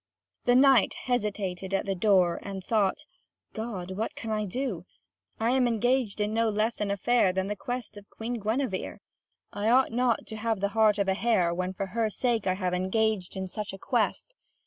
The knight hesitated at the door, and thought: "God, what can I do? I am engaged in no less an affair than the quest of Queen Guinevere. I ought not to have the heart of a hare, when for her sake I have engaged in such a quest.